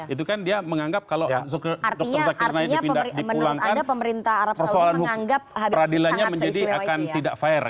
itu kan dia menganggap kalau dokter zakir naik dipulangkan persoalan peradilannya menjadi akan tidak fair